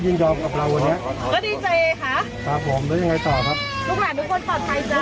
ทุกคนปลอดภัยเขาไม่ได้จะเดินออกมาซื้อของยืนแอบนานแล้วค่ะ